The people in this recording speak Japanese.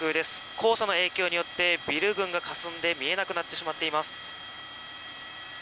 黄砂の影響によってビル群がかすんで見えなくなってしまっています。